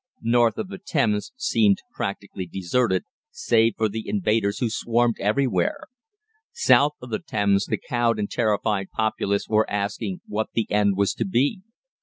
North of the Thames seemed practically deserted, save for the invaders who swarmed everywhere. South of the Thames the cowed and terrified populace were asking what the end was to be.